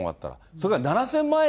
それから７０００万円